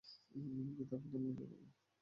আমি তার প্রার্থনা মঞ্জুর করব।